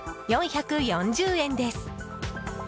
４４０円です。